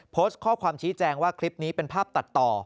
โพสต์ข้อความชี้แจงว่าคลิปนี้เป็นภาพตัดต่อ